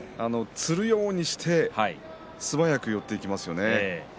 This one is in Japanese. つるようにして素早く寄っていきましたよね。